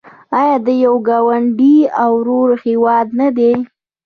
آیا د یو ګاونډي او ورور هیواد نه دی؟